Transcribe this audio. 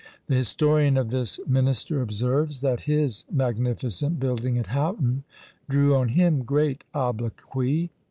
The historian of this minister observes, that his magnificent building at Houghton drew on him great obloquy.